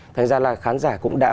thành ra là khán giả cũng đã